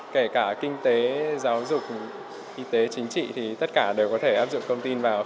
kể cả kinh tế giáo dục y tế chính trị thì tất cả đều có thể áp dụng công tin vào